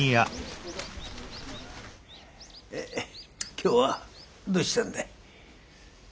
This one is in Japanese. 今日はどうしたんだい？